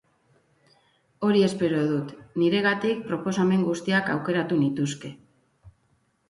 Hori espero dut, niregatik, proposamen guztiak aukeratu nituzke.